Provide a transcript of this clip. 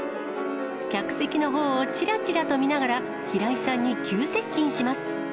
客席のほうをちらちらと見ながら、平井さんに急接近します。